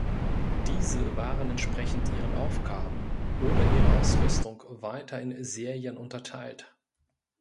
Diese waren entsprechend ihren Aufgaben oder ihrer Ausrüstung weiter in Serien unterteilt.